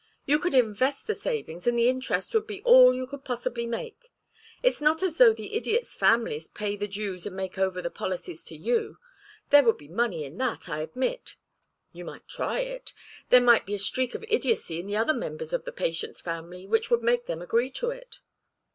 You could invest the savings, and the interest would be all you could possibly make. It's not as though the idiots' families paid the dues and made over the policies to you. There would be money in that, I admit. You might try it. There might be a streak of idiocy in the other members of the patient's family which would make them agree to it."